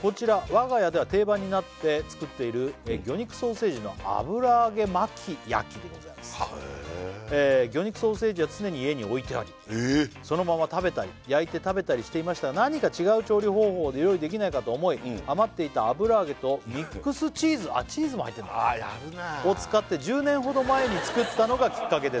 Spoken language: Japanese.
こちら我が家では定番になって作っている魚肉ソーセージの油揚げ巻き焼きでございます魚肉ソーセージは常に家に置いてありそのまま食べたり焼いて食べたりしていましたが何か違う調理方法で料理できないかと思い余っていた油揚げとミックスチーズあチーズも入ってるんだやるなあ！を使って１０年ほど前に作ったのがきっかけです